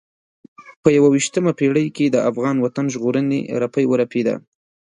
په یوه یشتمه پېړۍ کې د افغان وطن ژغورنې رپی ورپېده.